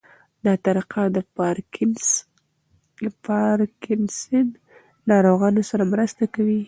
دا طریقه د پارکینسن ناروغانو سره مرسته کوي.